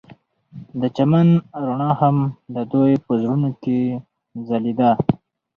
د چمن رڼا هم د دوی په زړونو کې ځلېده.